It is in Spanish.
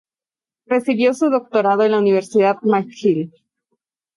Recibió su doctorado en la Universidad McGill.